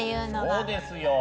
そうですよ。